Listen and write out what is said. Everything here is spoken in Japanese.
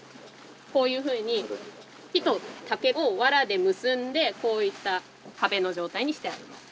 こういうふうに木と竹をワラで結んでこういった壁の状態にしてあります。